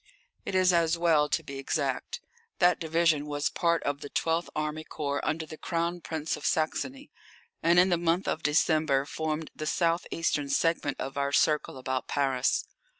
It is as well to be exact. That division was part of the 12th Army Corps under the Crown Prince of Saxony, and in the month of December formed the south eastern segment of our circle about Paris.